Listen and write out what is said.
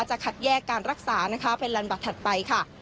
จะคัดแยกการรักษานะคะเป็นลันบัตรถัดไปค่ะ